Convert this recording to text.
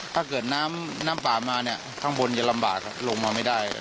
ถ้าเกิดน้ำป่ามาเนี่ยข้างบนจะลำบากครับลงมาไม่ได้